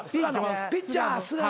ピッチャー菅野。